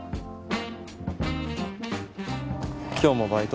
今日もバイト？